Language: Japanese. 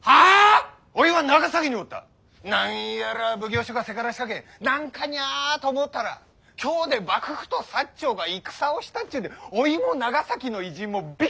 何やら奉行所がせからしかけん「何かにゃ」と思うたら京で幕府と長が戦をしたっちゅうんでおいも長崎の異人もびっくいした。